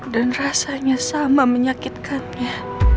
dan rasanya sama menyakitkannya